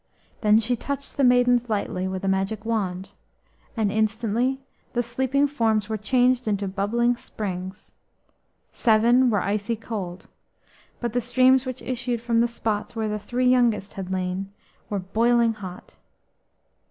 Then she touched the maidens lightly with a magic wand, and instantly the sleeping forms were changed into bubbling springs. Seven were icy cold, but the streams which issued from the spots where the three youngest had lain were boiling hot.